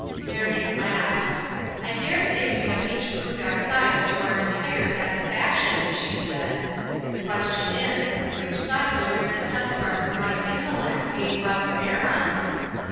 Marion laughed. "I dare say we have each proved our sides to our entire satisfaction," she said. "The question is, which side will bear the test of our combined intellects being brought to bear on it?